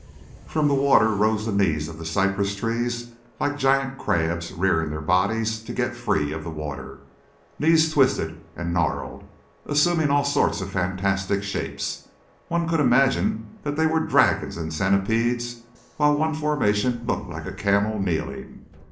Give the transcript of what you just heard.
From the water rose the knees of the cypress trees, like giant crabs rearing their bodies to get free of the water knees twisted and gnarled, assuming all sorts of fantastic shapes. One could imagine that they were dragons and centipedes, while one formation looked like a camel kneeling.